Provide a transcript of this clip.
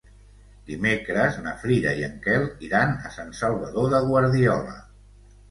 Dimecres na Frida i en Quel iran a Sant Salvador de Guardiola.